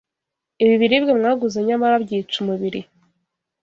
ibi biribwa mwaguze nyamara byica umubiri.